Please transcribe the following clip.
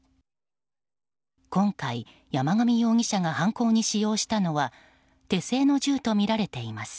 今回、山上容疑者が犯行に使用したのは手製の銃とみられています。